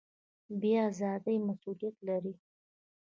بیان ازادي مسوولیت لري